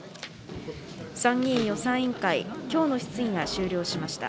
参議院予算委員会、きょうの質疑が終了しました。